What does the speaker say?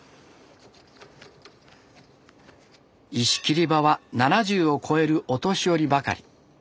石切り場は７０を超えるお年寄りばかり。